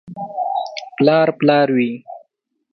• پلار پلار وي.